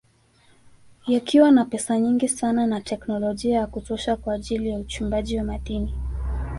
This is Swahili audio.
Yakiwa na pesa nyingi sana na teknolojia ya kutosha kwa ajili uchimbaji wa madini